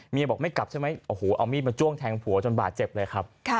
บอกไม่กลับใช่ไหมโอ้โหเอามีดมาจ้วงแทงผัวจนบาดเจ็บเลยครับ